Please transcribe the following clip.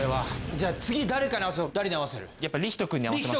じゃあ次誰かに合わせよう。